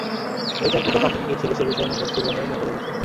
এই চার প্রকার পাখি কি কি ছিল সে বিষয়ে মুফাসসিরগণের মতভেদ আছে।